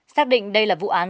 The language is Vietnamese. xác định đây là vụ án